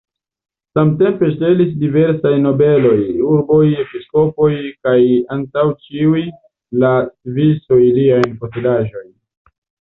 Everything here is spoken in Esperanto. Samtempe ŝtelis diversaj nobeloj, urboj, episkopoj kaj antaŭ ĉiuj la Svisoj liajn posedaĵojn.